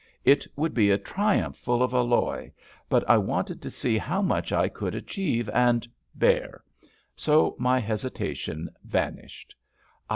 It would be a triumph full of alloy, but I wanted to see how much I could achieve and bear; so my hesitation vanished.